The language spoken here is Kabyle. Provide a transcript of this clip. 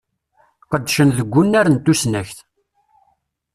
Qedcen deg unnar n tusnakt.